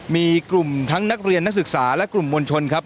มีกลุ่มทั้งนักเรียนนักศึกษาและกลุ่มมวลชนครับ